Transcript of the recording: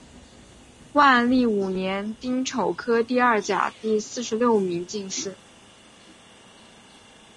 万历五年丁丑科第二甲第四十六名进士。